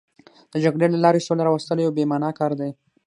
د جګړې له لارې سوله راوستل یو بې معنا کار دی.